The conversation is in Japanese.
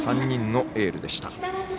３人のエールでした。